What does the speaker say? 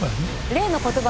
例の言葉